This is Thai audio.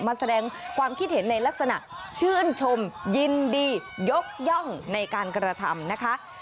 มาแสดงความคิดเห็นในลักษณะชื่นชมยินดียกย่องในการกระทำนะคะ